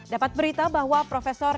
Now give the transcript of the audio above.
dapat berita bahwa profesor